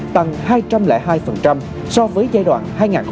tăng hai trăm linh hai so với giai đoạn hai nghìn một mươi hai nghìn một mươi bốn